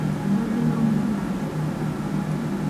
Endwadde y'omutima nzibu nnyo.